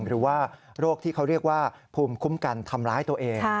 หรือว่าโรคที่เขาเรียกว่าภูมิคุ้มกันทำร้ายตัวเอง